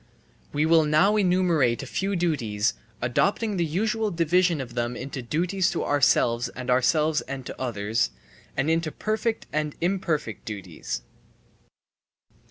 We will now enumerate a few duties, adopting the usual division of them into duties to ourselves and ourselves and to others, and into perfect and imperfect duties.